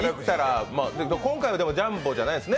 今回はジャンボじゃないですね。